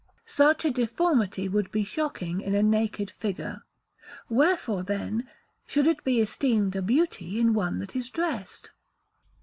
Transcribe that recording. Such a deformity would be shocking in a naked figure; wherefore, then, should it be esteemed a beauty in one that is dressed?